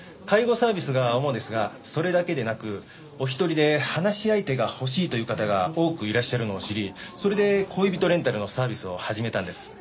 介護サービスが主ですがそれだけでなくお一人で話し相手が欲しいという方が多くいらっしゃるのを知りそれで恋人レンタルのサービスを始めたんです。